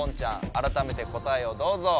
あらためて答えをどうぞ！